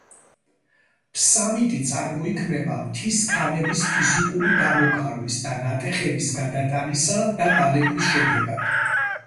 ფსამიტი წარმოიქმნება მთის ქანების ფიზიკური გამოქარვის და ნატეხების გადატანისა და დალექვის შედეგად.